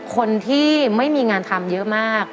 คนที่ไม่มีงานทำเยอะมาก